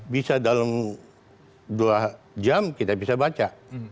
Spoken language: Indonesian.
bisa dalam dua jam kita bisa baca